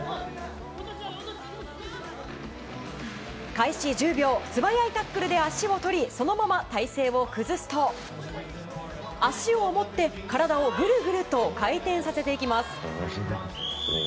開始１０秒素早いタックルで足を取りそのまま体勢を崩すと足を持って、体をぐるぐると回転させていきます。